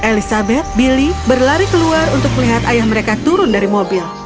elizabeth billy berlari keluar untuk melihat ayah mereka turun dari mobil